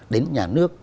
đến nhà nước